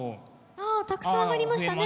あったくさん挙がりましたね。